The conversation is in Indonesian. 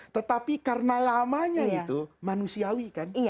tetapi karena lamanya itu manusiawi kan